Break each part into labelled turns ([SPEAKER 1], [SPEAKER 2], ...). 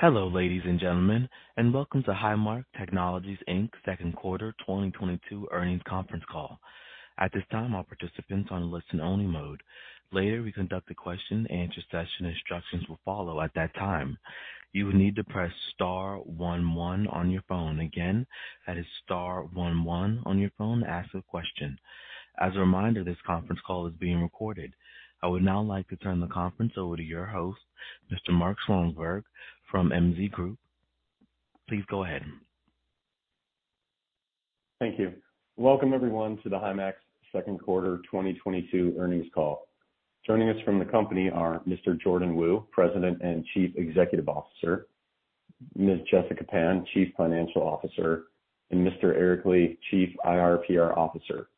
[SPEAKER 1] Hello, ladies and gentlemen, and Welcome to Himax Technologies, Inc.'s Second Quarter 2022 Earnings Conference Call. At this time, all participants are in listen-only mode. Later, we conduct a question-and-answer session. Instructions will follow at that time. You will need to press star one on your phone. Again, that is star one on your phone to ask a question. As a reminder, this conference call is being recorded. I would now like to turn the conference over to your host, Mr. Mark Schwalenberg from MZ Group. Please go ahead.
[SPEAKER 2] Thank you. Welcome everyone to The Himax Second Quarter 2022 Earnings Call. Joining us from the company are Mr. Jordan Wu, President and Chief Executive Officer, Ms. Jessica Pan, Chief Financial Officer, and Mr. Eric Li, Chief IR/PR Officer.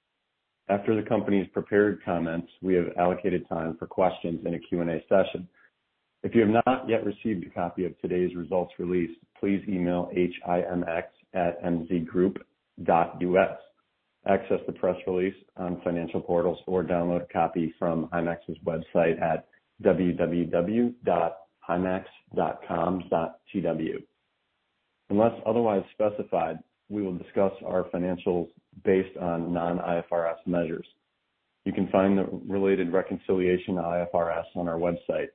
[SPEAKER 2] After the company's prepared comments, we have allocated time for questions in a Q&A session. If you have not yet received a copy of today's results release, please email HIMX@mzgroup.us. Access the press release on financial portals or download a copy from Himax's website at www.himax.com.tw. Unless otherwise specified, we will discuss our financials based on non-IFRS measures. You can find the related reconciliation IFRS on our website.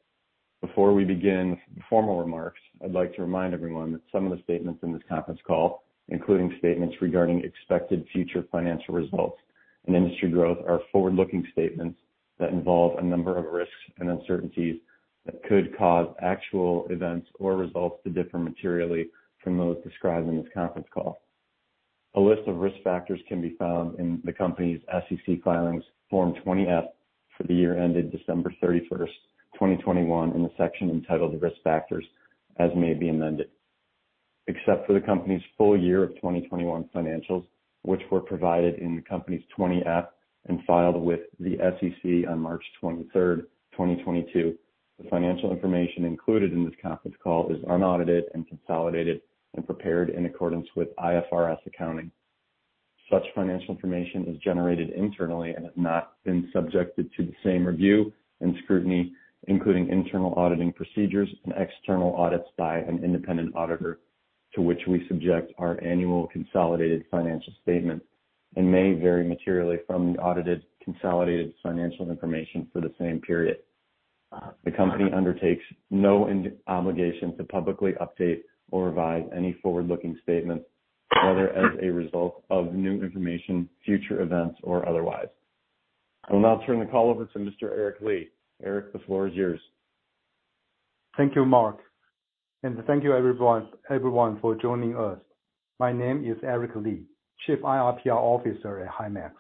[SPEAKER 2] Before we begin the formal remarks, I'd like to remind everyone that some of the statements in this conference call, including statements regarding expected future financial results and industry growth, are forward-looking statements that involve a number of risks and uncertainties that could cause actual events or results to differ materially from those described in this conference call. A list of risk factors can be found in the company's SEC filings, Form 20-F for the year ended December 31, 2021 in the section entitled Risk Factors as may be amended. Except for the company's full year of 2021 financials, which were provided in the company's 20-F and filed with the SEC on March 23, 2022. The financial information included in this conference call is unaudited and consolidated and prepared in accordance with IFRS accounting. Such financial information is generated internally and has not been subjected to the same review and scrutiny, including internal auditing procedures and external audits by an independent auditor to which we subject our annual consolidated financial statements and may vary materially from the audited consolidated financial information for the same period. The company undertakes no obligation to publicly update or revise any forward-looking statements, whether as a result of new information, future events or otherwise. I will now turn the call over to Mr. Eric Li. Eric, the floor is yours.
[SPEAKER 3] Thank you, Mark, and thank you everyone for joining us. My name is Eric Li, Chief IR/PR Officer at Himax.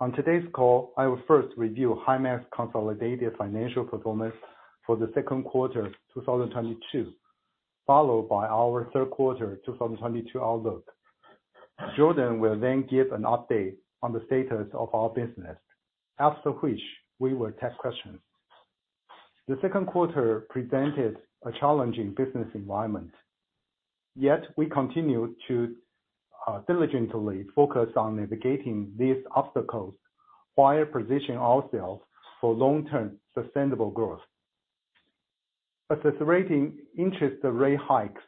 [SPEAKER 3] On today's call, I will first review Himax's consolidated financial performance for the second quarter 2022, followed by our third quarter 2022 outlook. Jordan will then give an update on the status of our business, after which we will take questions. The second quarter presented a challenging business environment, yet we continued to diligently focus on navigating these obstacles while positioning ourselves for long-term sustainable growth. Accelerating interest rate hikes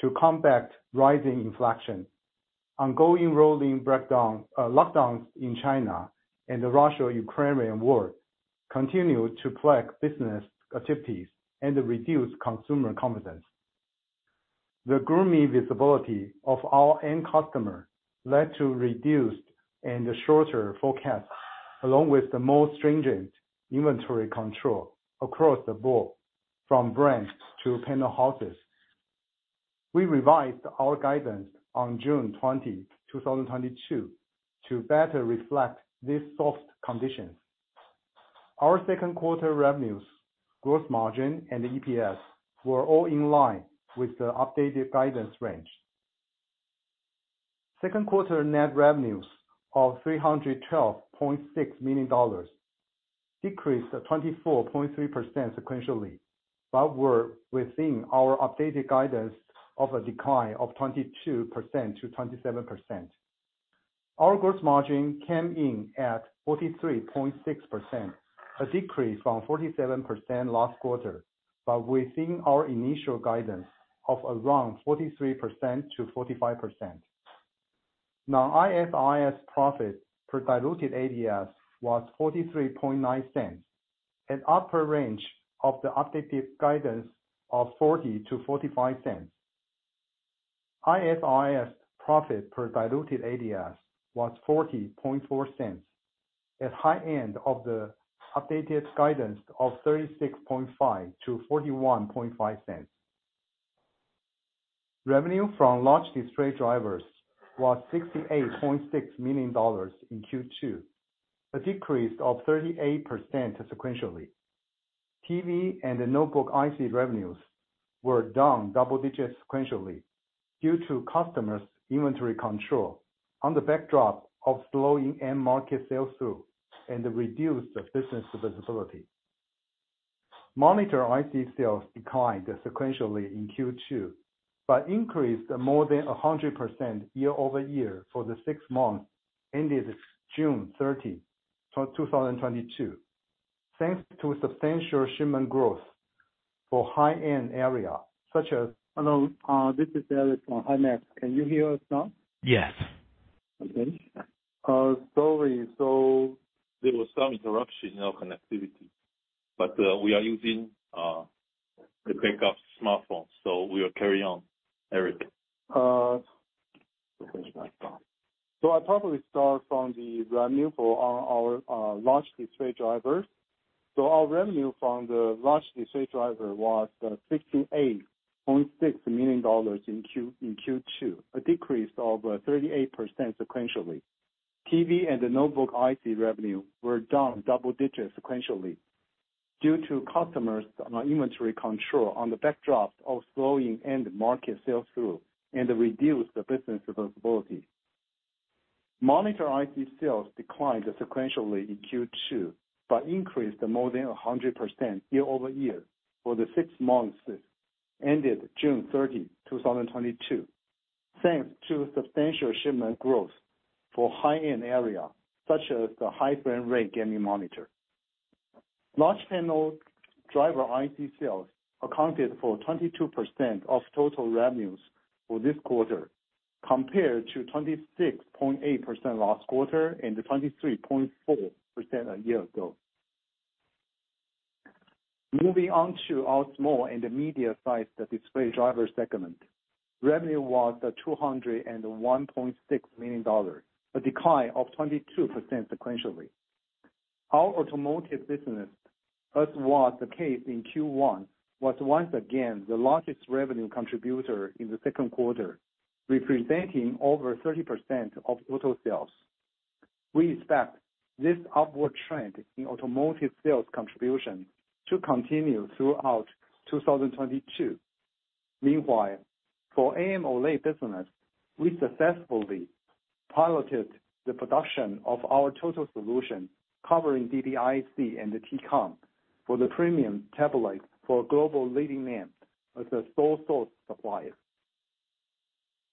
[SPEAKER 3] to combat rising inflation, ongoing rolling lockdowns in China, and the Russo-Ukrainian war continued to plague business activities and reduce consumer confidence. The gloomy visibility of our end customer led to reduced and shorter forecasts, along with the more stringent inventory control across the board from brands to panel houses. We revised our guidance on June 20, 2022 to better reflect these soft conditions. Our second quarter revenues, gross margin, and EPS were all in line with the updated guidance range. Second quarter net revenues of $312.6 million decreased 24.3% sequentially, but were within our updated guidance of a decline of 22%-27%. Our gross margin came in at 43.6%, a decrease from 47% last quarter, but within our initial guidance of around 43%-45%. Non-IFRS profit per diluted ADS was $0.439 at upper range of the updated guidance of $0.40-$0.45. Non-IFRS profit per diluted ADS was $0.404 at high end of the and reduced business visibility. Monitor IC sales declined sequentially in Q2, but increased more than 100% year-over-year for the six months that ended June 30, 2022. Thanks to substantial shipment growth for high-end area such as the high-frame-rate gaming monitor. Large panel Driver IC sales accounted for 22% of total revenues for this quarter, compared to 26.8% last quarter and 23.4% a year ago. Moving on to our Small and Medium Size Display Driver segment. Revenue was $201.6 million, a decline of 22% sequentially. Our business, as was the case in Q1, was once again the largest revenue contributor in the second quarter, representing over 30% of total sales. We expect this upward trend in sales contribution to continue throughout 2022. Meanwhile, for AMOLED business, we successfully piloted the production of our total solution, covering DDIC and the T-Con for the premium tablet for a global leading name as a sole source supplier.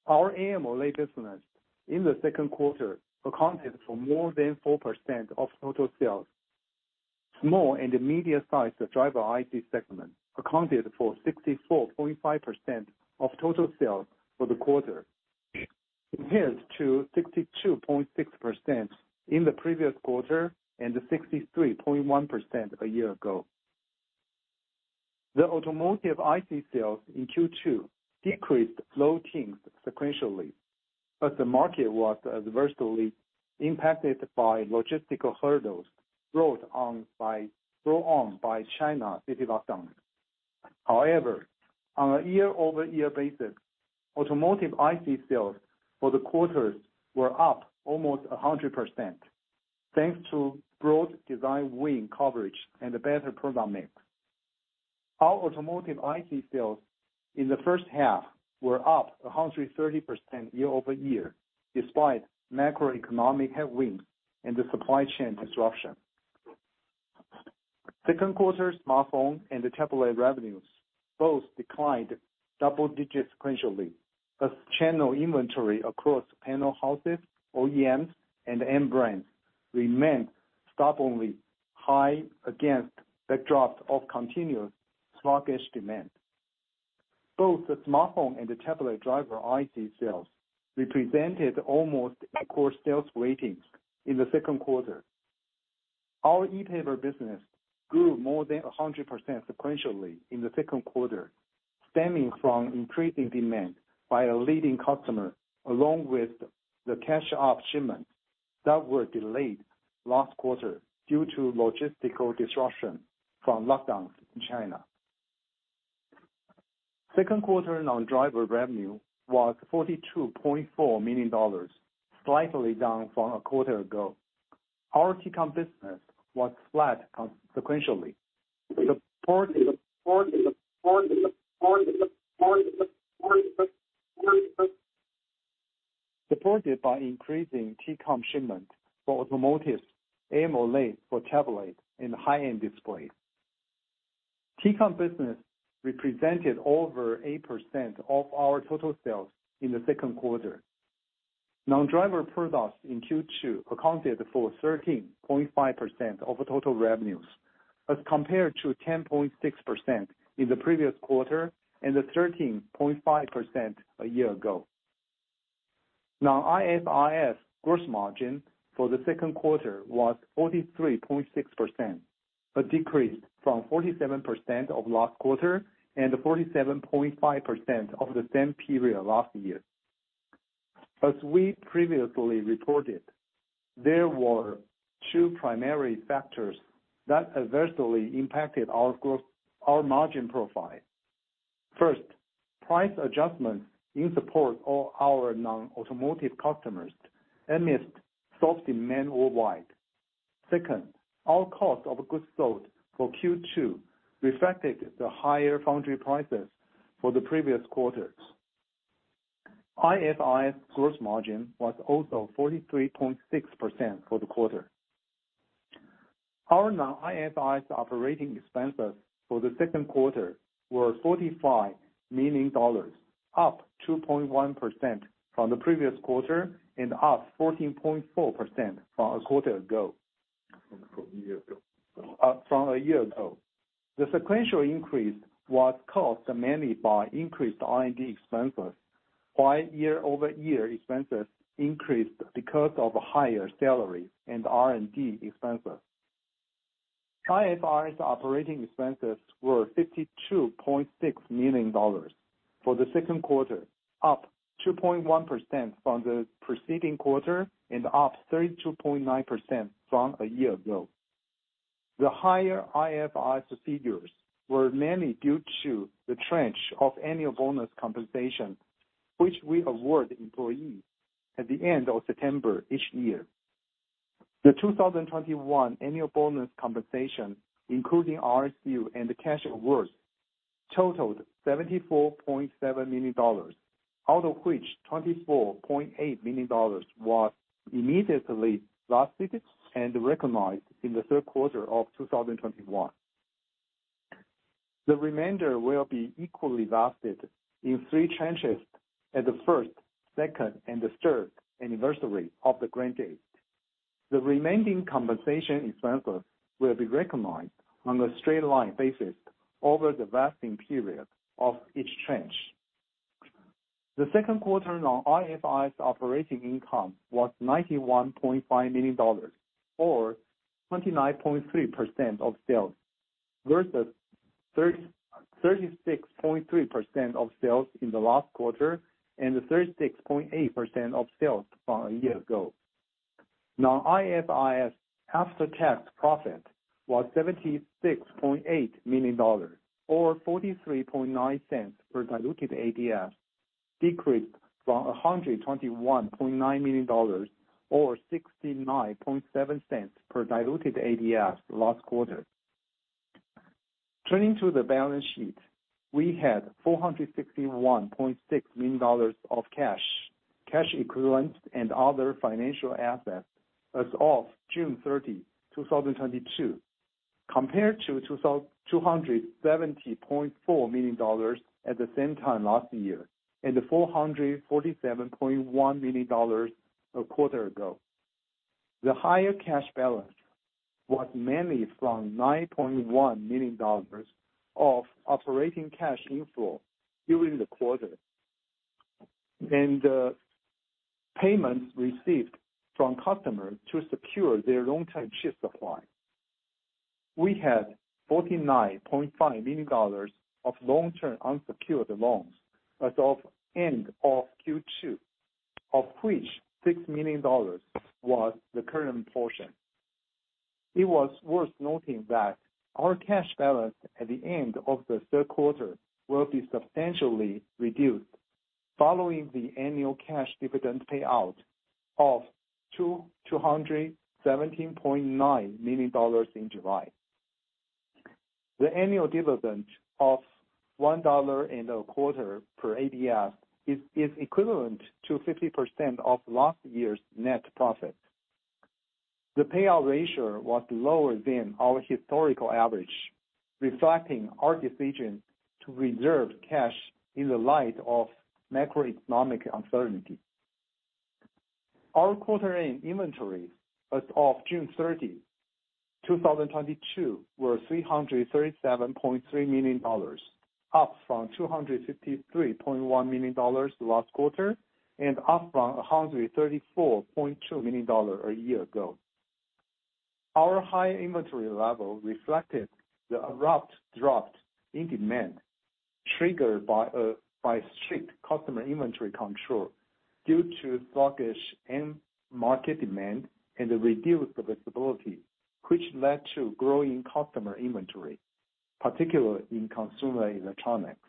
[SPEAKER 3] Our AMOLED business in the second quarter accounted for more than 4% of total sales. Small and Medium-Size Driver IC segment accounted for 64.5% of total sales for the quarter, compared to 62.6% in the previous quarter and 63.1% a year ago. IC sales in Q2 decreased low teens sequentially as the market was adversely impacted by logistical hurdles brought on by Chinese city lockdowns. However, on a year-over-year basis, IC sales for the quarter were up almost 100%, thanks to broad design win coverage and a better product mix. Our IC sales in the first half were up 130% year-over-year, despite macroeconomic headwinds and the supply chain disruption. Second quarter smartphone and the tablet revenues both declined double digits sequentially. Channel inventory across panel houses, OEMs and end brands remained stubbornly high against the backdrop of continuously sluggish demand. Both the smartphone and the Tablet Driver IC sales represented almost equal sales weightings in the second quarter. Our ePaper business grew more than 100% sequentially in the second quarter, stemming from increasing demand by a leading customer, along with the catch-up shipments that were delayed last quarter due to logistical disruption from lockdowns in China. Second quarter Non-Driver revenue was $42.4 million, slightly down from a quarter ago. Our T-Con business was flat sequentially. Supported by increasing T-Con shipment for Automotives, AMOLED for tablet and high-end display. T-Con business represented over 8% of our total sales in the second quarter. Non-Driver Products in Q2 accounted for 13.5% of the total revenues, as compared to 10.6% in the previous quarter and 13.5% a year ago. Now, IFRS gross margin for the second quarter was 43.6%, a decrease from 47% of last quarter and 47.5% of the same period last year. As we previously reported, there were two primary factors that adversely impacted our growth, our margin profile. First, price adjustments in support of our non- customers amidst soft demand worldwide. Second, our cost of goods sold for Q2 reflected the higher foundry prices for the previous quarters. IFRS gross margin was also 43.6% for the quarter. Our non-IFRS operating expenses for the second quarter were $45 million, up 2.1% from the previous quarter and up 14.4% from a quarter ago.
[SPEAKER 4] From a year ago.
[SPEAKER 3] From a year ago. The sequential increase was caused mainly by increased R&D expenses, while year-over-year expenses increased because of higher salaries and R&D expenses. IFRS operating expenses were $52.6 million for the second quarter, up 2.1% from the preceding quarter and up 32.9% from a year ago. The higher IFRS figures were mainly due to the tranche of annual bonus compensation, which we award employees at the end of September each year. The 2021 annual bonus compensation, including RSU and the cash awards, totaled $74.7 million, out of which $24.8 million was immediately vested and recognized in the third quarter of 2021. The remainder will be equally vested in three tranches at the first, second, and the third anniversary of the grant date. The remaining compensation expenses will be recognized on a straight line basis over the vesting period of each tranche. The second quarter non-IFRS operating income was $91.5 million or 29.3% of sales vs 36.3% of sales in the last quarter and 36.8% of sales from a year ago. Non-IFRS after-tax profit was $76.8 million or $0.439 per diluted ADS, decreased from $121.9 million or $0.697 per diluted ADS last quarter. Turning to the balance sheet, we had $461.6 million of cash equivalents, and other financial assets as of June 30, 2022, compared to $270.4 million at the same time last year, and $447.1 million a quarter ago. The higher cash balance was mainly from $9.1 million of operating cash inflow during the quarter and payments received from customers to secure their long-term chip supply. We had $49.5 million of long-term unsecured loans as of end of Q2, of which $6 million was the current portion. It was worth noting that our cash balance at the end of the third quarter will be substantially reduced following the annual cash dividend payout of $217.9 million in July. The annual dividend of $1 and a quarter per ADS is equivalent to 50% of last year's net profit. The payout ratio was lower than our historical average, reflecting our decision to reserve cash in the light of macroeconomic uncertainty. Our quarter end inventory as of June 30, 2022, were $337.3 million, up from $253.1 million last quarter and up from $134.2 million a year ago. Our high inventory level reflected the abrupt drop in demand triggered by strict customer inventory control due to sluggish end market demand and the reduced visibility, which led to growing customer inventory, particularly in consumer electronics.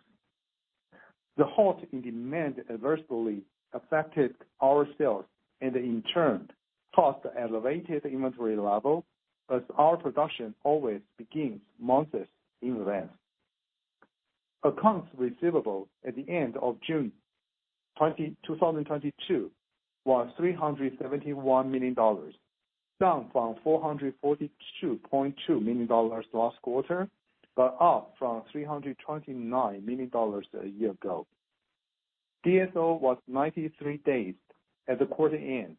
[SPEAKER 3] The halt in demand adversely affected our sales and in turn caused elevated inventory levels, as our production always begins months in advance. Accounts receivable at the end of June 2022 was $371 million, down from $442.2 million last quarter, but up from $329 million a year ago. DSO was 93 days at the quarter end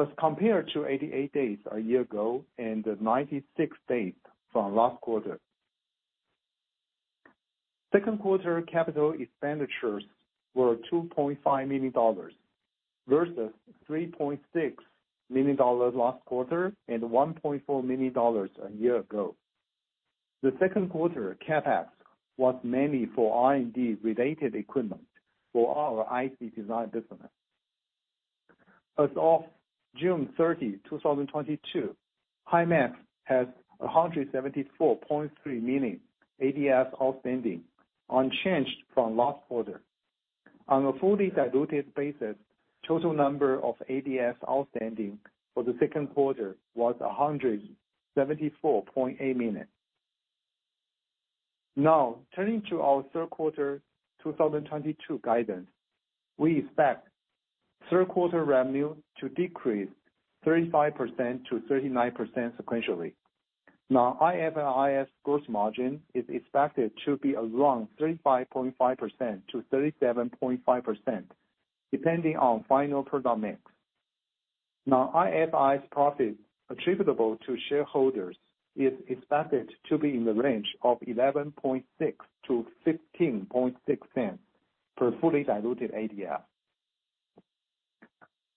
[SPEAKER 3] as compared to 88 days a year ago and 96 days from last quarter. Second quarter capital expenditures were $2.5 million, vs $3.6 million last quarter and $1.4 million a year ago. The second quarter CapEx was mainly for R&D related equipment for our IC design business. As of June 30, 2022, Himax has $174.3 million ADS outstanding, unchanged from last quarter. On a fully diluted basis, total number of ADS outstanding for the second quarter was $174.8 million. Turning to our third quarter 2022 guidance. We expect third quarter revenue to decrease 35%-39% sequentially. Himax's gross margin is expected to be around 35.5%-37.5%, depending on final product mix. Himax's profit attributable to shareholders is expected to be in the range of $0.116-$0.156 per fully diluted ADS.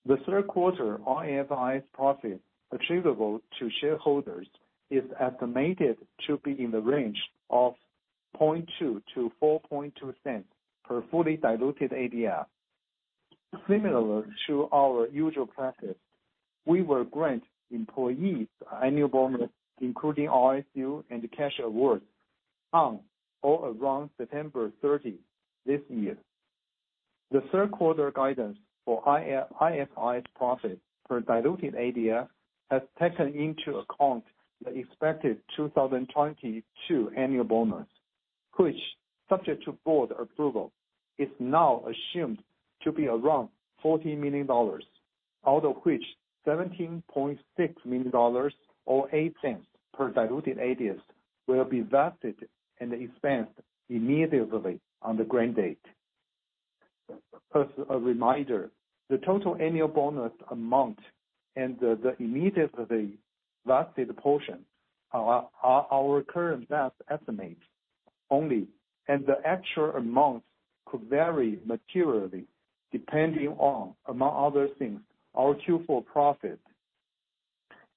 [SPEAKER 3] The third quarter Himax's profit attributable to shareholders is estimated to be in the range of $0.002-$0.042 per fully diluted ADS. Similar to our usual practice, we will grant employees annual bonus, including RSU and cash awards on or around September 30 this year. The third quarter guidance for Himax's profit per diluted ADS has taken into account the expected 2022 annual bonus. Which, subject to board approval, is now assumed to be around $40 million, out of which $17.6 million or $0.08 per diluted ADS will be vested and expensed immediately on the grant date. As a reminder, the total annual bonus amount and the immediately vested portion are our current best estimate only, and the actual amounts could vary materially depending on, among other things, our Q4 profit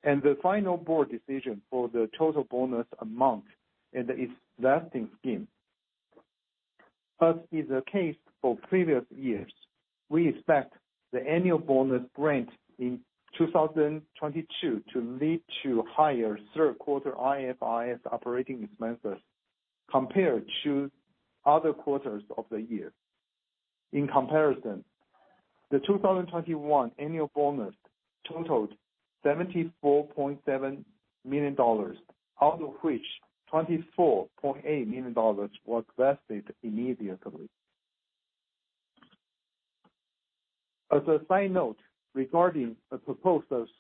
[SPEAKER 3] and the final board decision for the total bonus amount and its vesting scheme. As is the case for previous years, we expect the annual bonus grant in 2022 to lead to higher third quarter IFRS operating expenses compared to other quarters of the year. In comparison, the 2021 annual bonus totaled $74.7 million, out of which $24.8 million was vested immediately. As a side note, regarding the proposed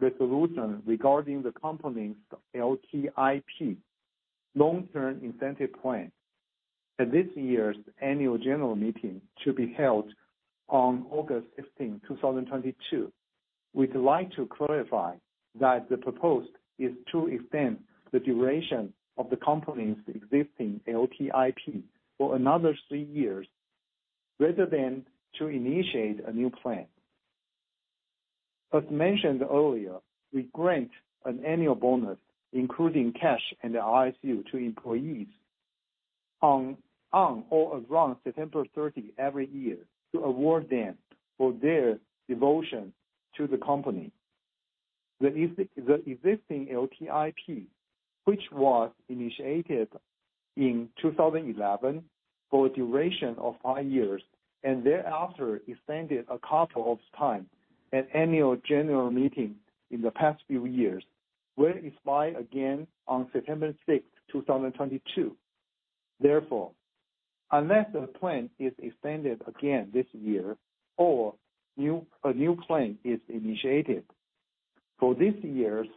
[SPEAKER 3] resolution regarding the company's LTIP, Long-Term Incentive Plan, at this year's annual general meeting to be held on August 15, 2022. We'd like to clarify that the proposal is to extend the duration of the company's existing LTIP for another three years rather than to initiate a new plan. As mentioned earlier, we grant an annual bonus including cash and RSU to employees on or around September 30 every year to award them for their devotion to the company. The existing LTIP, which was initiated in 2011 for a duration of five years, and thereafter extended a couple of times at annual general meeting in the past few years, will expire again on September 6, 2022. Therefore, unless the plan is extended again this year or a new plan is initiated. For this year's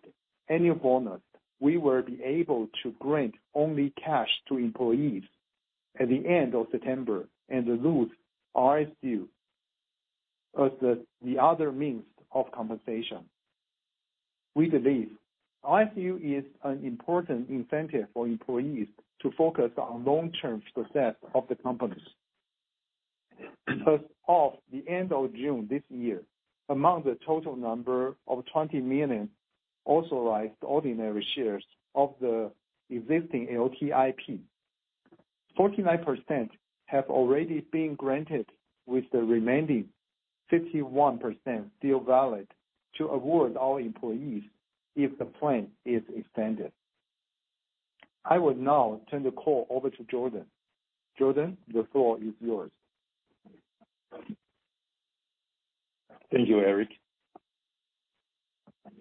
[SPEAKER 3] annual bonus, we will be able to grant only cash to employees at the end of September and lose RSU as the other means of compensation. We believe RSU is an important incentive for employees to focus on long-term success of the company. As of the end of June this year, among the total number of 20 million authorized ordinary shares of the existing LTIP, 49% have already been granted, with the remaining 51% still valid to award our employees if the plan is extended. I will now turn the call over to Jordan. Jordan, the floor is yours.
[SPEAKER 4] Thank you, Eric.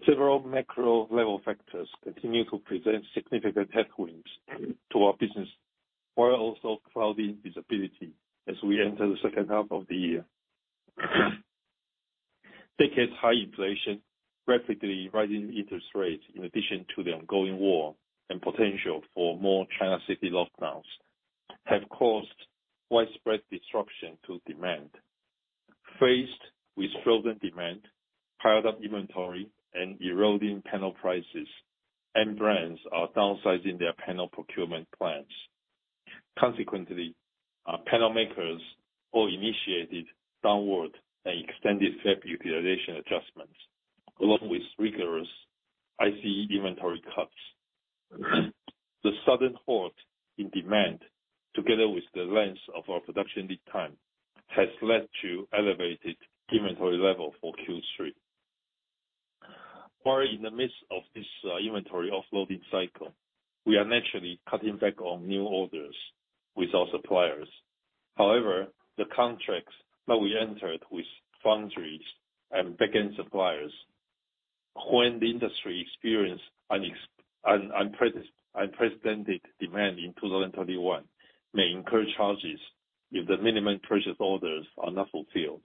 [SPEAKER 4] Several macro-level factors continue to present significant headwinds to our business, while also clouding visibility as we enter the second half of the year. Decades-high inflation, rapidly rising interest rates in addition to the ongoing war and potential for more Chinese city lockdowns, have caused widespread disruption to demand. Faced with frozen demand, piled up inventory and eroding panel prices, end brands are downsizing their panel procurement plans. Consequently, panel makers all initiated downward and extended fab utilization adjustments, along with rigorous excess inventory cuts. The sudden halt in demand, together with the length of our production lead time, has led to elevated inventory level for Q3. While in the midst of this, inventory offloading cycle, we are naturally cutting back on new orders with our suppliers. However, the contracts that we entered with foundries and back-end suppliers when the industry experienced unprecedented demand in 2021 may incur charges if the minimum purchase orders are not fulfilled.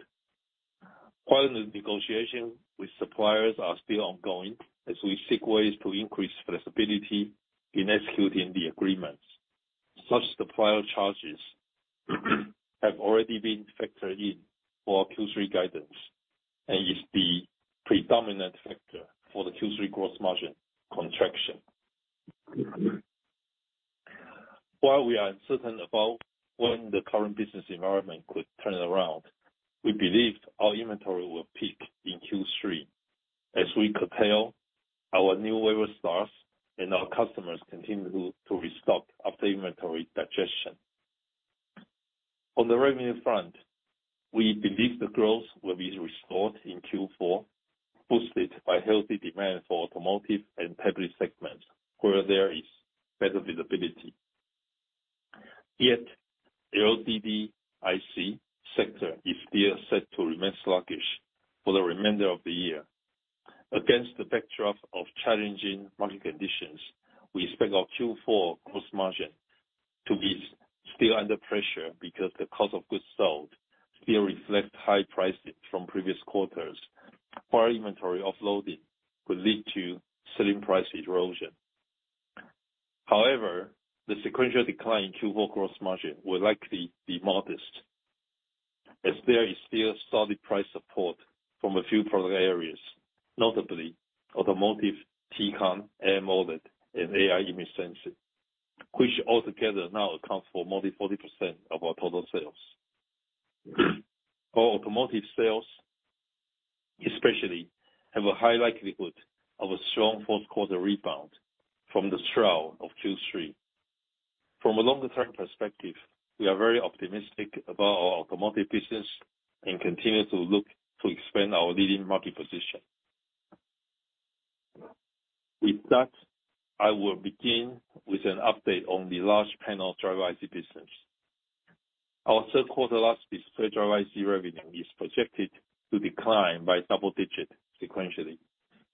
[SPEAKER 4] While the negotiations with suppliers are still ongoing as we seek ways to increase flexibility in executing the agreements. Such supplier charges have already been factored in for our Q3 guidance and is the predominant factor for the Q3 gross margin contraction. While we are uncertain about when the current business environment could turn around, we believe our inventory will peak in Q3 as we curtail our new orders stocks and our customers continue to restock after inventory digestion. On the revenue front, we believe the growth will be restored in Q4, boosted by healthy demand for and tablet segments where there is better visibility. Yet, the LDI IC sector is still set to remain sluggish for the remainder of the year. Against the backdrop of challenging market conditions, we expect our Q4 gross margin to be still under pressure because the cost of goods sold still reflect high prices from previous quarters, while inventory offloading will lead to selling price erosion. However, the sequential decline in Q4 gross margin will likely be modest, as there is still solid price support from a few product areas, notably T-Con, AMOLED and AI image sensor, which altogether now accounts for more than 40% of our total sales. Our sales especially have a high likelihood of a strong fourth quarter rebound from the trough of Q3. From a longer-term perspective, we are very optimistic about our business and continue to look to expand our leading market position. With that, I will begin with an update on the large panel Driver IC business. Our third quarter large display Driver IC revenue is projected to decline by double digit sequentially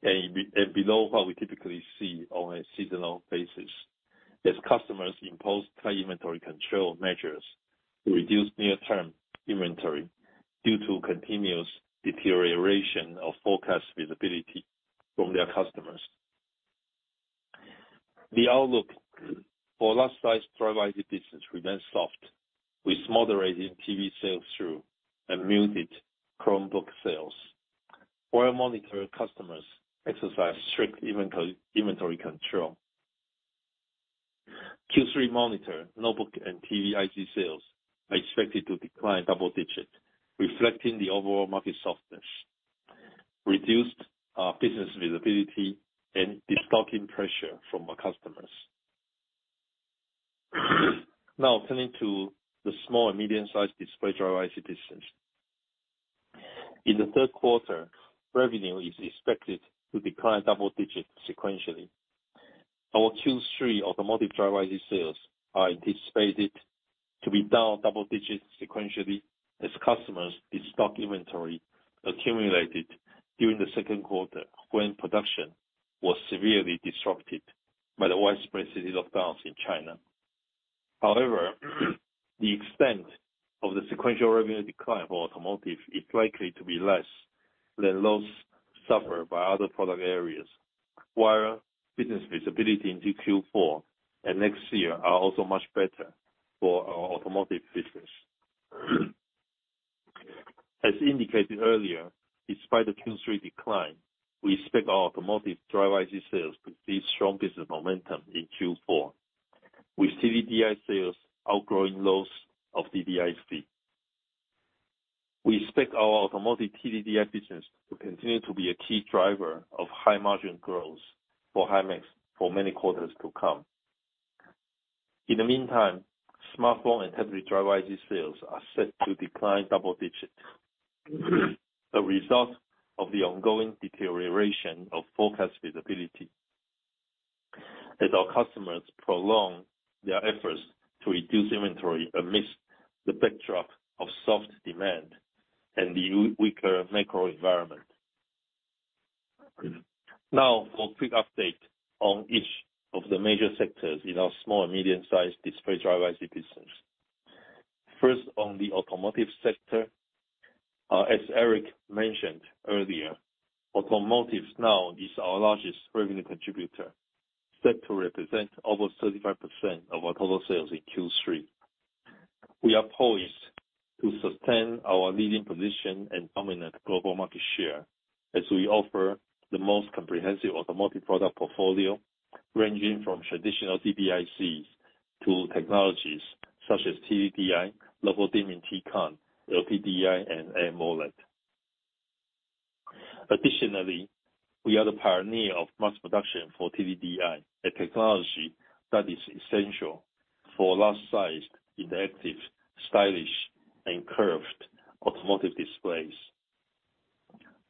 [SPEAKER 4] and below what we typically see on a seasonal basis, as customers impose tight inventory control measures to reduce near-term inventory due to continuous deterioration of forecast visibility from their customers. The outlook for Large-Size Driver IC business remains soft, with moderating TV sales through and muted Chromebook sales, where monitor customers exercise strict inventory control. Q3 monitor, notebook and TV IC sales are expected to decline double digit, reflecting the overall market softness, reduced business visibility and destocking pressure from our customers. Now, turning to the small and medium-sized display Driver IC business. In the third quarter, revenue is expected to decline double digits sequentially. Our Q3 Driver IC sales are anticipated to be down double digits sequentially as customers destock inventory accumulated during the second quarter when production was severely disrupted by the widespread city lockdowns in China. However, the extent of the sequential revenue decline for is likely to be less than those suffered by other product areas, while business visibility into Q4 and next year are also much better for our business. As indicated earlier, despite the Q3 decline, we expect our Driver IC sales to see strong business momentum in Q4. With TDDI sales outgrowing those of DDIC. We expect our TDDI business to continue to be a key driver of high-margin growth for Himax for many quarters to come. In the meantime, smartphone and Tablet Driver IC sales are set to decline double digits as a result of the ongoing deterioration of forecast visibility, as our customers prolong their efforts to reduce inventory amidst the backdrop of soft demand and the weaker macro environment. Now, for a quick update on each of the major sectors in our small and Medium-Sized display Driver IC business. First, on the sector, as Eric mentioned earlier, now is our largest revenue contributor, set to represent over 35% of our total sales in Q3. We are poised to sustain our leading position and dominant global market share as we offer the most comprehensive product portfolio ranging from traditional DDICs to technologies such as TDDI, low-voltage T-Con, LPDDI and M-OLED. Additionally, we are the pioneer of mass production for TDDI, a technology that is essential for large-sized, interactive, stylish and curved displays.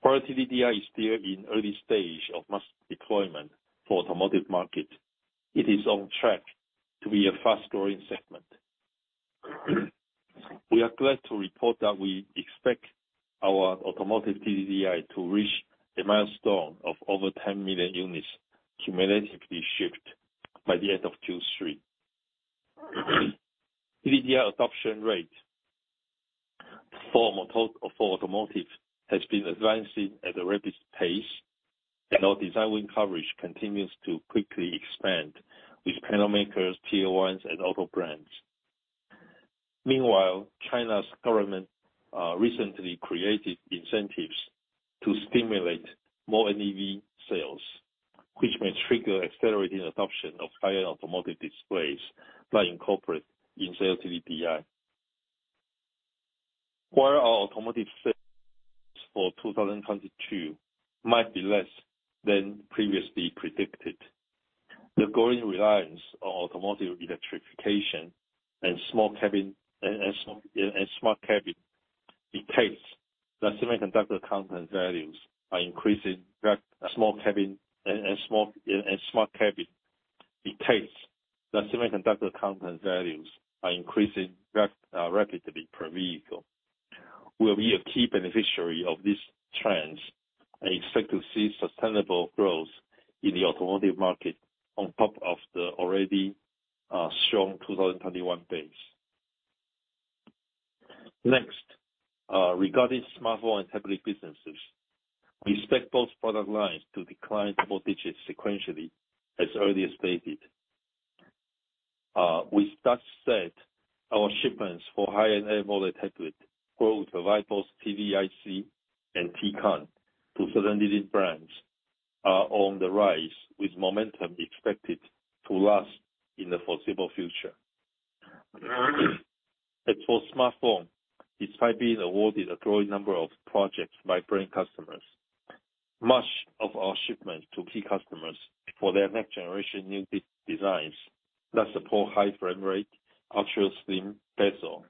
[SPEAKER 4] While TDDI is still in early stage of mass deployment for market, it is on track to be a fast-growing segment. We are glad to report that we expect our TDDI to reach a milestone of over 10 million units cumulatively shipped by the end of Q3. TDDI adoption rate for has been advancing at a rapid pace, and our design win coverage continues to quickly expand with panel makers, Tier 1s, and auto brands. Meanwhile, China's government recently created incentives to stimulate more NEV sales, which may trigger accelerating adoption of higher displays by incorporating in-cell TDDI. While our sales for 2022 might be less than previously predicted, the growing reliance on electrification and small cabin and smart cabin dictates that semiconductor content values are increasing rapidly per vehicle. We'll be a key beneficiary of these trends, and expect to see sustainable growth in the market on top of the already strong 2021 base. Next, regarding smartphone and tablet businesses. We expect both product lines to decline double digits sequentially as earlier stated. With that said, our shipments for high-end AMOLED tablet growth providers, DDIC and T-Con to certain leading brands are on the rise, with momentum expected to last in the foreseeable future. As for smartphone, despite being awarded a growing number of projects by prime customers, much of our shipments to key customers for their next-generation new redesigns that support high frame rate, ultra-slim bezel,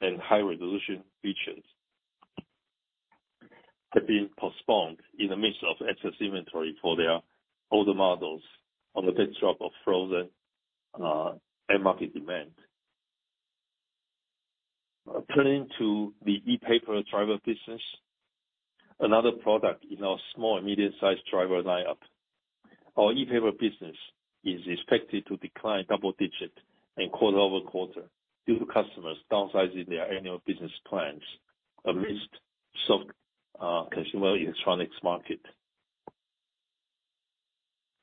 [SPEAKER 4] and high resolution features have been postponed in the midst of excess inventory for their older models on the backdrop of frozen end market demand. Turning to the ePaper driver business, another product in our small and medium-sized driver lineup. Our ePaper business is expected to decline double-digit quarter-over-quarter due to customers downsizing their annual business plans amidst soft consumer electronics market.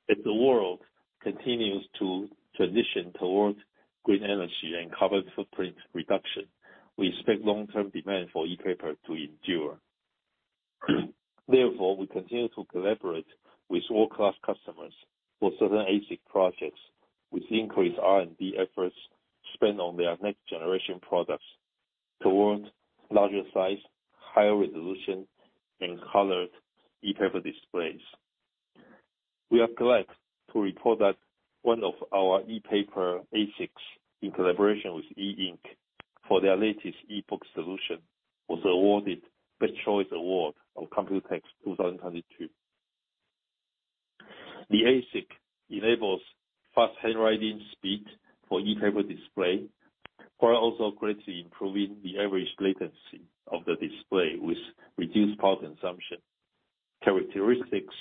[SPEAKER 4] As the world continues to transition towards green energy and carbon footprint reduction, we expect long-term demand for ePaper to endure. Therefore, we continue to collaborate with world-class customers for certain ASIC projects, with increased R&D efforts spent on their next generation products towards larger size, higher resolution, and colored ePaper displays. We are glad to report that one of our ePaper ASICs in collaboration with E Ink for their latest eBook solution was awarded Best Choice Award on COMPUTEX 2022. The ASIC enables fast handwriting speed for ePaper display, while also greatly improving the average latency of the display with reduced power consumption. Characteristics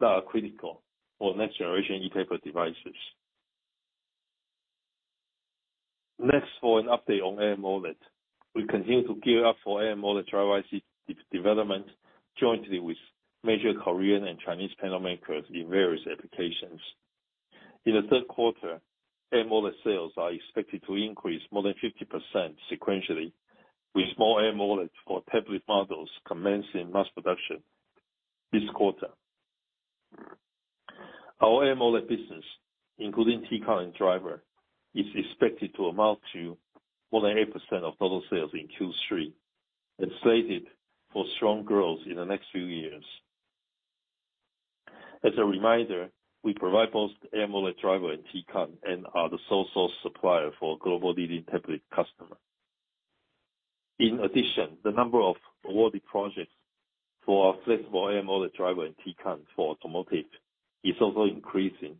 [SPEAKER 4] that are critical for next generation ePaper devices. Next, for an update on AMOLED. We continue to gear up for AMOLED Driver IC development jointly with major Korean and Chinese panel makers in various applications. In the third quarter, AMOLED sales are expected to increase more than 50% sequentially with small AMOLED for tablet models commencing mass production this quarter. Our AMOLED business, including T-Con driver, is expected to amount to more than 8% of total sales in Q3 and slated for strong growth in the next few years. As a reminder, we provide both the AMOLED driver and T-Con and are the sole source supplier for global leading tablet customer. In addition, the number of awarded projects for our flexible AMOLED driver and T-Con for is also increasing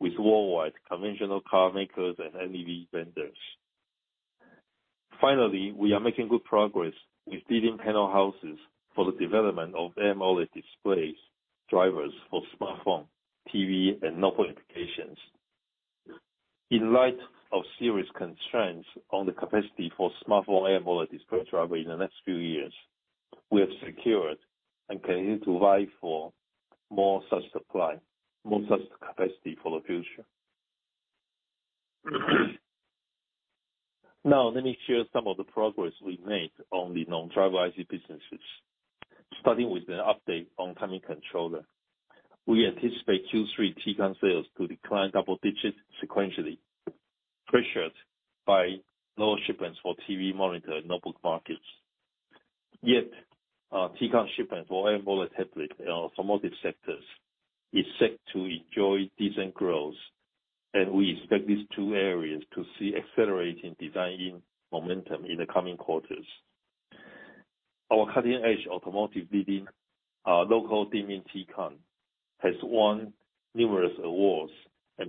[SPEAKER 4] with worldwide conventional car makers and NEV vendors. Finally, we are making good progress with leading panel houses for the development of AMOLED displays, drivers for smartphone, TV and notebook applications. In light of serious constraints on the capacity for smartphone AMOLED display driver in the next few years, we have secured and continue to vie for more such supply, more such capacity for the future. Now, let me share some of the progress we've made on the Non-Driver IC businesses. Starting with the update on timing controller. We anticipate Q3 T-Con sales to decline double digits sequentially, pressured by lower shipments for TV, monitor and notebook markets. Yet, T-Con shipments for AMOLED tablets, sectors is set to enjoy decent growth, and we expect these two areas to see accelerating design-win momentum in the coming quarters. Our cutting-edge -leading local dimming T-Con has won numerous awards and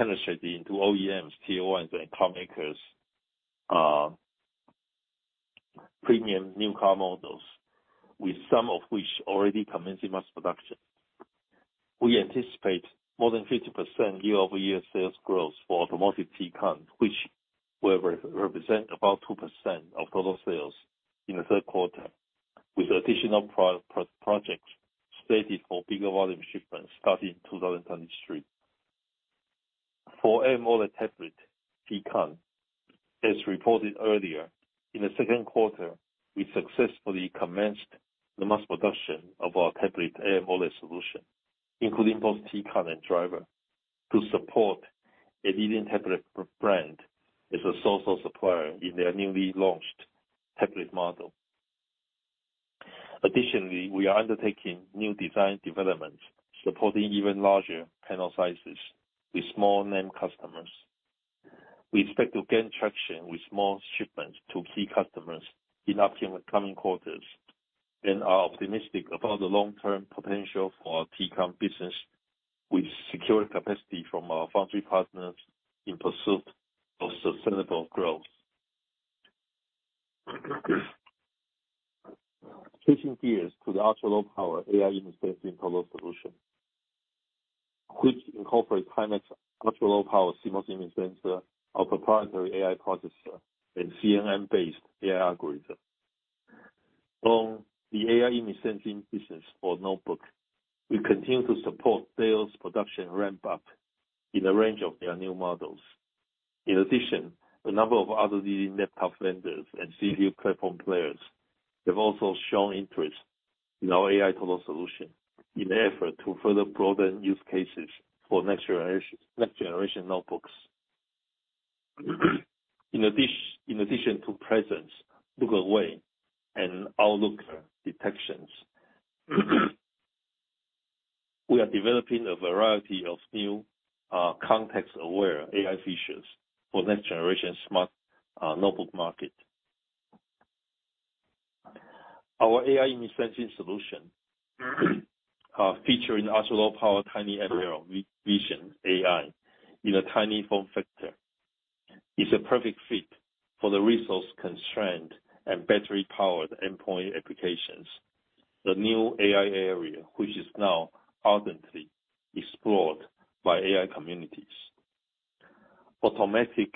[SPEAKER 4] penetrated into OEMs, Tier 1s, and car makers' premium new car models, with some of which already commencing mass production. We anticipate more than 50% year-over-year sales growth for T-Con, which will represent about 2% of total sales in the third quarter, with additional projects slated for bigger volume shipments starting 2023. For AMOLED tablet T-Con, as reported earlier, in the second quarter, we successfully commenced the mass production of our tablet AMOLED solution, including both T-Con and driver to support a leading tablet brand as a sole source supplier in their newly launched tablet model. Additionally, we are undertaking new design development, supporting even larger panel sizes with more named customers. We expect to gain traction with small shipments to key customers in upcoming quarters and are optimistic about the long-term potential for our T-Con business with secured capacity from our foundry partners in pursuit of sustainable growth. Switching gears to the ultra-low power AI image sensing total solution, which incorporates Himax ultra-low power CMOS image sensor, our proprietary AI processor, and CNN-based AI algorithm. On the AI image sensing business for notebook, we continue to support Dell's production ramp-up in a range of their new models. In addition, a number of other leading laptop vendors and CPU platform players have also shown interest in our AI total solution in their effort to further broaden use cases for next-generation notebooks. In addition to presence, look away, and outlook detections, we are developing a variety of new context-aware AI features for next-generation smart notebook market. Our AI image sensing solution, featuring ultra-low power tinyML vision AI in a tiny form factor is a perfect fit for the resource-constrained and battery-powered endpoint applications. The new AI area, which is now ardently explored by AI communities. Automatic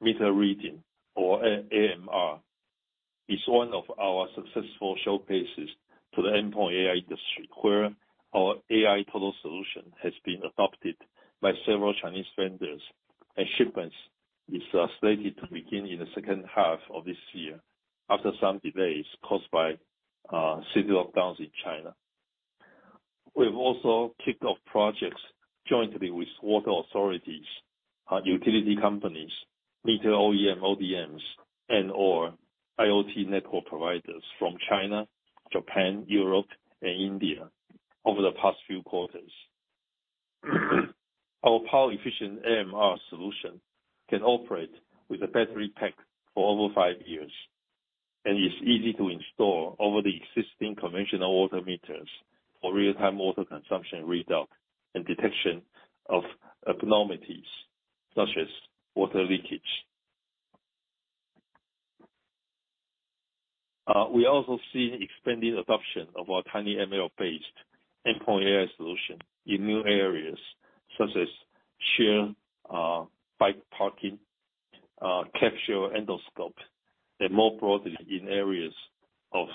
[SPEAKER 4] meter reading, or AMR, is one of our successful showcases to the endpoint AI industry, where our AI total solution has been adopted by several Chinese vendors, and shipments is slated to begin in the second half of this year after some delays caused by city lockdowns in China. We've also kicked off projects jointly with water authorities, utility companies, meter OEM/ODMs, and/or IoT network providers from China, Japan, Europe, and India over the past few quarters. Our power-efficient AMR solution can operate with a battery pack for over five years, and is easy to install over the existing conventional water meters for real-time water consumption readout and detection of abnormalities such as water leakage. We also see expanding adoption of our tinyML-based endpoint AI solution in new areas such as shared bike parking, capsule endoscope, and more broadly in areas of,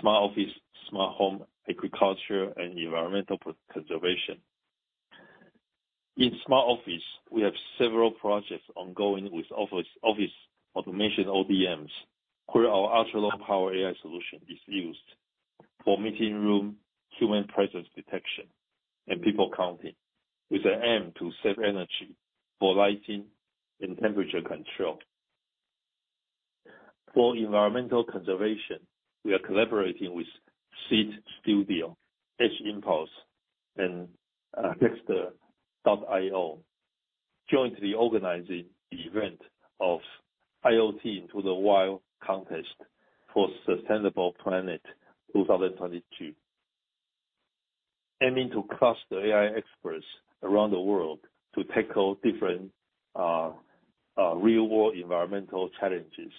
[SPEAKER 4] smart office, smart home, agriculture, and environmental preservation. In smart office, we have several projects ongoing with office automation ODMs, where our ultra-low power AI solution is used for meeting room human presence detection, and people counting, with an aim to save energy for lighting and temperature control. For environmental conservation, we are collaborating with Seeed Studio, Edge Impulse and Hackster.io, jointly organizing the event of IoT Into the Wild Contest for Sustainable Planet 2022. Aiming to cluster AI experts around the world to tackle different real-world environmental challenges.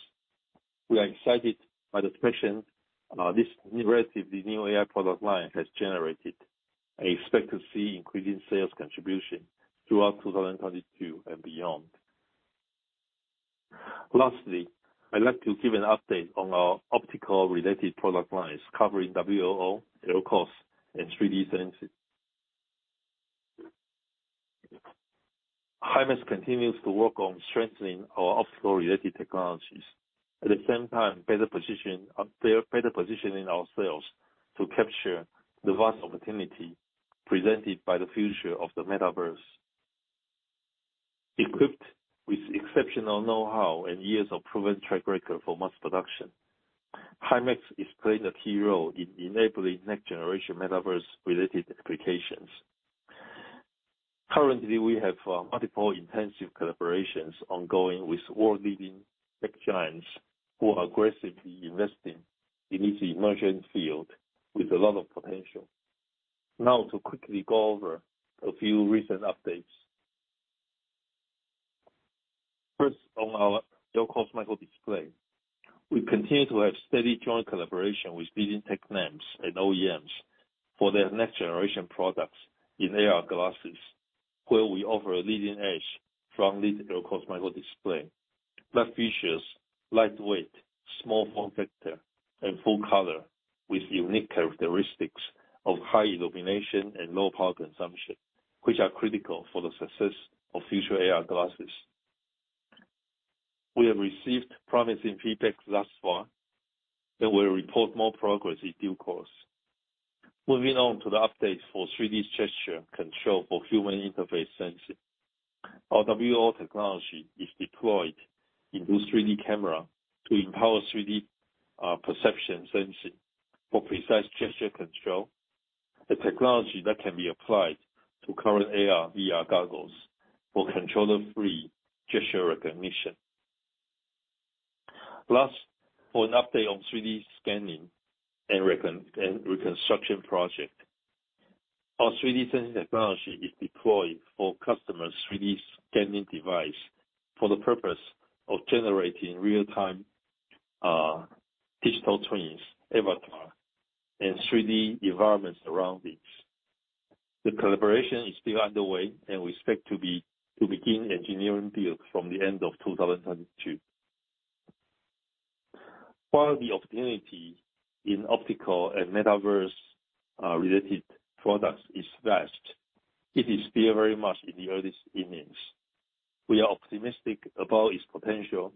[SPEAKER 4] We are excited by the traction this diverse new AI product line has generated and expect to see increasing sales contribution throughout 2022 and beyond. Lastly, I'd like to give an update on our optical related product lines covering WLO, LCoS, and 3D Sensing. Himax continues to work on strengthening our optical related technologies. At the same time, better positioning ourselves to capture the vast opportunity presented by the future of the metaverse. Equipped with exceptional know-how and years of proven track record for mass production, Himax is playing a key role in enabling next-generation metaverse related applications. Currently, we have multiple intensive collaborations ongoing with world-leading tech giants who are aggressively investing in this emerging field with a lot of potential. Now to quickly go over a few recent updates. First, on our micro display, we continue to have steady joint collaboration with leading tech names and OEMs for their next generation products in AR glasses, where we offer a leading edge from this micro display. That features lightweight, small form factor and full color with unique characteristics of high illumination and low power consumption, which are critical for the success of future AR glasses. We have received promising feedback thus far and we'll report more progress in due course. Moving on to the updates for 3D gesture control for human interface sensing. Our WLO technology is deployed in this 3D camera to empower 3D perception sensing for precise gesture control. A technology that can be applied to current AR/VR goggles for controller-free gesture recognition. Last, for an update on 3D scanning and reconstruction project. Our 3D sensing technology is deployed for customers' 3D scanning device for the purpose of generating real-time, digital twins, avatar and 3D environments around it. The collaboration is still underway, and we expect to begin engineering build from the end of 2022. While the opportunity in optical and metaverse, related products is vast, it is still very much in the earliest innings. We are optimistic about its potential,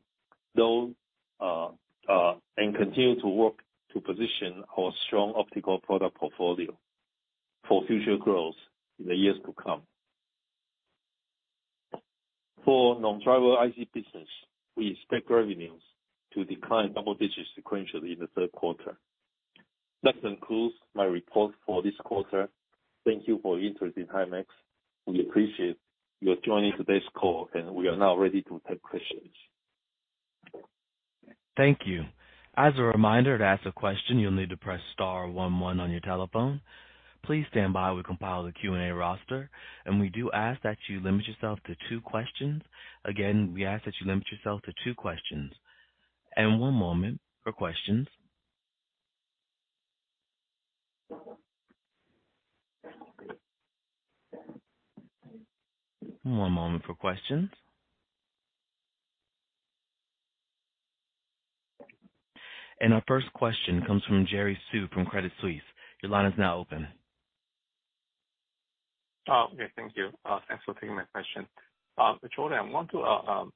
[SPEAKER 4] though, and continue to work to position our strong optical product portfolio for future growth in the years to come. For Non-Driver IC business, we expect revenues to decline double digits sequentially in the third quarter. That concludes my report for this quarter. Thank you for your interest in Himax. We appreciate your joining today's call, and we are now ready to take questions.
[SPEAKER 1] Thank you. As a reminder, to ask a question, you'll need to press star one one on your telephone. Please stand by. We compile the Q&A roster, and we do ask that you limit yourself to two questions. Again, we ask that you limit yourself to two questions. One moment for questions. Our first question comes from Jerry Su from Credit Suisse. Your line is now open.
[SPEAKER 5] Okay. Thank you. Thanks for taking my question. Jordan, I want to,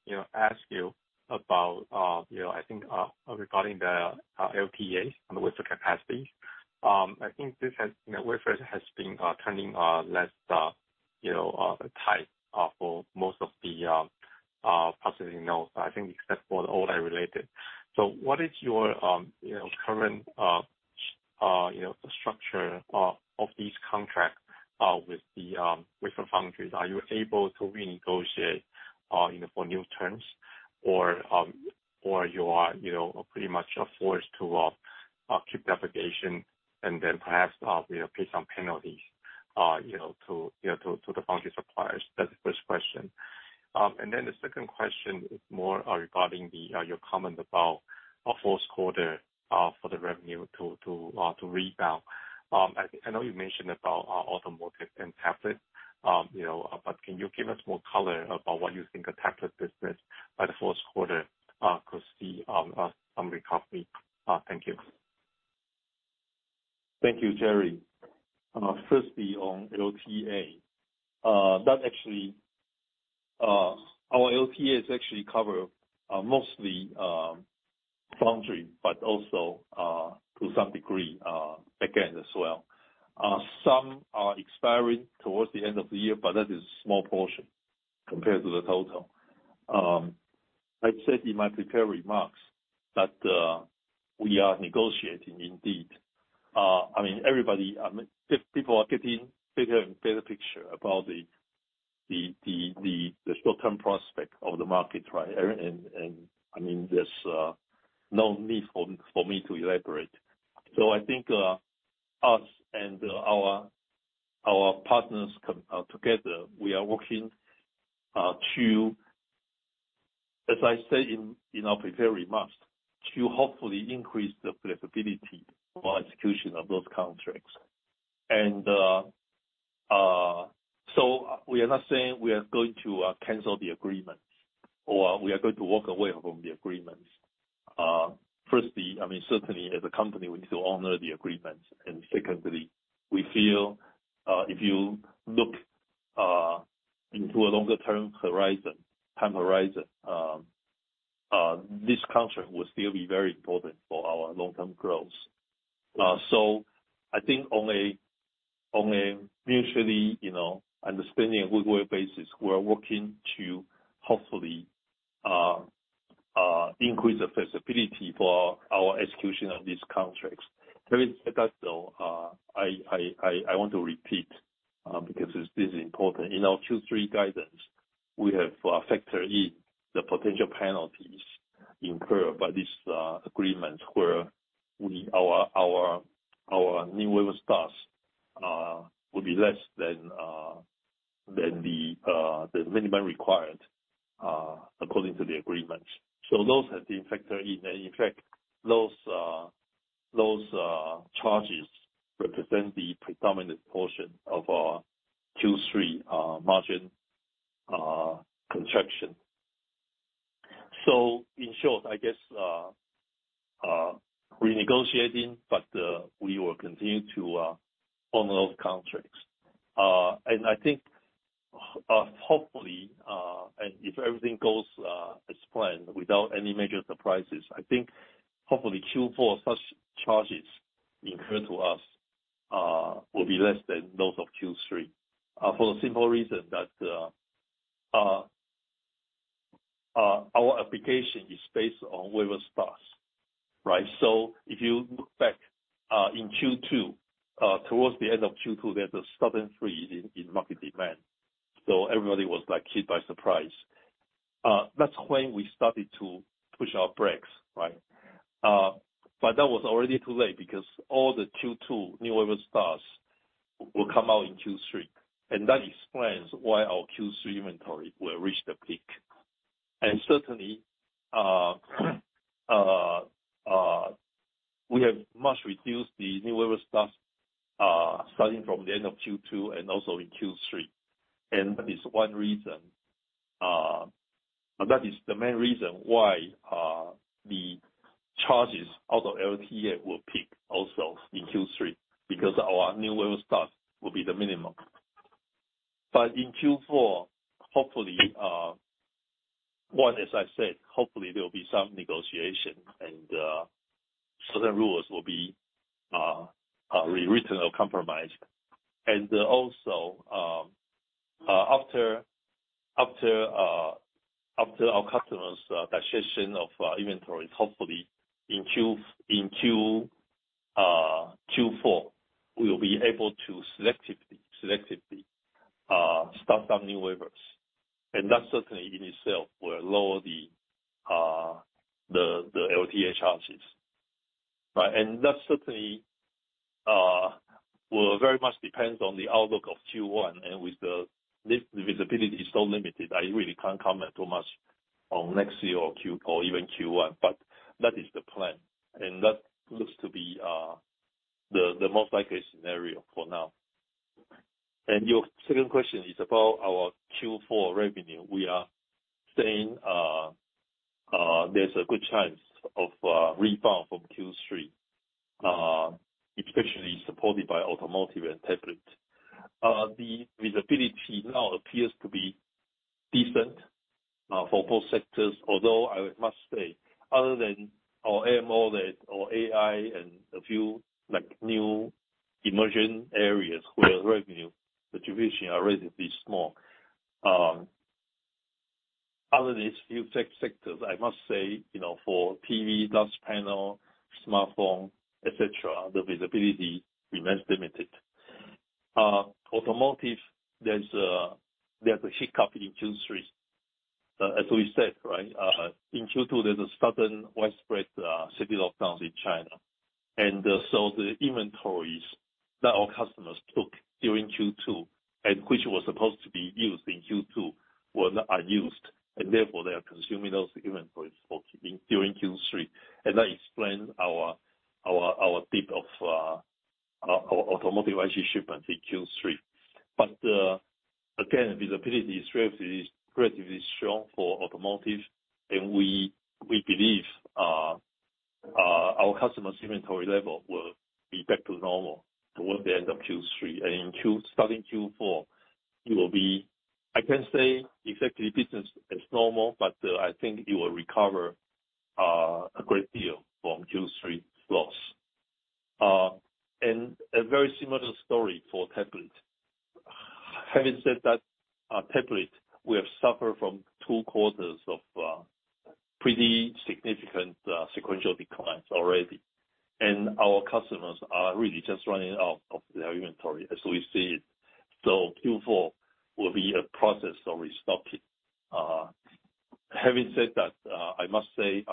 [SPEAKER 5] you know, ask you about, you know, I think, regarding the LTAs and the wafer capacity. I think this has, you know, wafer has been turning less, you know, tight for most of the, possibly, you know, I think except for the OLED related. What is your, you know, current, you know, structure of these contracts with the wafer foundries? Are you able to renegotiate, you know, for new terms or you are, you know, pretty much forced to keep the obligation and then perhaps, you know, pay some penalties, you know, to the foundry suppliers? That's the first question. The second question is more regarding your comment about fourth quarter for the revenue to rebound. I know you mentioned about and tablet, you know, but can you give us more color about what you think a tablet business by the fourth quarter could see some recovery? Thank you.
[SPEAKER 4] Thank you, Jerry. Firstly, on LTA. That actually, our LTAs actually cover, mostly, foundry, but also, to some degree, again, as well. Some are expiring towards the end of the year, but that is small portion compared to the total. I've said in my prepared remarks that, we are negotiating indeed. I mean, everybody, if people are getting bigger and better picture about the short-term prospect of the market, right? I mean, there's no need for me to elaborate. I think, us and our partners together, we are working to, as I said in our prepared remarks, to hopefully increase the flexibility for execution of those contracts. We are not saying we are going to cancel the agreement or we are going to walk away from the agreements. Firstly, I mean, certainly as a company we need to honor the agreements. Secondly, we feel if you look into a longer term horizon, time horizon, this contract will still be very important for our long-term growth. I think only mutually, you know, understanding a good way basis, we are working to hopefully increase the flexibility for our execution of these contracts. Having said that, though, I want to repeat because this is important. In our Q3 guidance, we have factored in the potential penalties incurred by this agreement where our new wafer starts will be less than the minimum required according to the agreement. Those have been factored in. In fact, those charges represent the predominant portion of our Q3 margin contraction. In short, I guess, we're negotiating, but we will continue to honor those contracts. I think, hopefully, and if everything goes as planned without any major surprises, I think hopefully Q4 such charges incurred by us will be less than those of Q3 for the simple reason that our obligation is based on wafer starts. Right? If you look back in Q2, towards the end of Q2, there's a sudden freeze in market demand. Everybody was, like, hit by surprise. That's when we started to push our brakes, right? But that was already too late because all the Q2 new wafer starts will come out in Q3, and that explains why our Q3 inventory will reach the peak. Certainly, we have much reduced the new wafer starts, starting from the end of Q2 and also in Q3. That is the main reason why the charges out of LTA will peak also in Q3, because our new wafer starts will be the minimum. In Q4, hopefully, as I said, hopefully there will be some negotiation and certain rules will be rewritten or compromised. Also, after up to our customers' digestion of inventories, hopefully in Q4, we will be able to selectively start up new wafers. That certainly in itself will lower the LTA charges. Right, that certainly will very much depends on the outlook of Q1. With this visibility is so limited, I really can't comment too much on next year or even Q1. That is the plan, and that looks to be the most likely scenario for now. Your second question is about our Q4 revenue. We are saying, there's a good chance of a rebound from Q3, especially supported by and tablet. The visibility now appears to be decent for both sectors. Although I must say, other than our AMOLED or AI and a few, like, new emerging areas where revenue contribution are relatively small, other than these few sectors, I must say, you know, for TV, glass panel, smartphone, et cetera, the visibility remains limited., there's a hiccup in Q3. As we said, in Q2, there's a sudden widespread city lockdowns in China. So the inventories that our customers took during Q2, and which was supposed to be used in Q2 are used, and therefore they are consuming those inventories during Q3. That explains our dip of IC shipment in Q3. Again, visibility strength is relatively strong for and we believe our customers' inventory level will be back to normal towards the end of Q3. Starting Q4, it will be. I can't say exactly business as normal, but I think it will recover a great deal from Q3 loss. A very similar story for tablet. Having said that, tablet, we have suffered from two quarters of pretty significant sequential declines already, and our customers are really just running out of their inventory as we see it. Q4 will be a process of restocking. Having said that, I must say,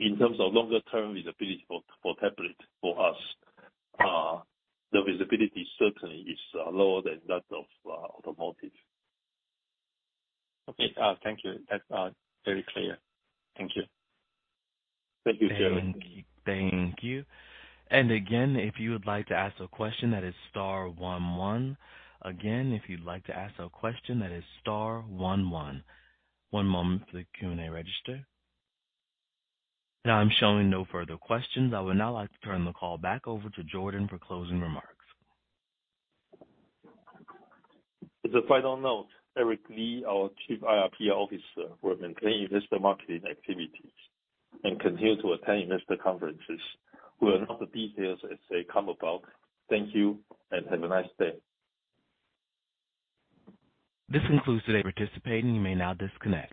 [SPEAKER 4] in terms of longer term visibility for tablet for us, the visibility certainly is lower than that of.
[SPEAKER 5] Okay. Thank you. That's very clear. Thank you.
[SPEAKER 4] Thank you, Jerry.
[SPEAKER 1] Thank you. Again, if you would like to ask a question that is star one one. Again, if you'd like to ask a question that is star one one. One moment for the Q&A register. Now I'm showing no further questions. I would now like to turn the call back over to Jordan for closing remarks.
[SPEAKER 4] As a final note, Eric Li, our Chief IR/PR Officer, will maintain investor marketing activities and continue to attend investor conferences. We'll announce the details as they come about. Thank you and have a nice day.
[SPEAKER 1] This concludes today's presentation. You may now disconnect.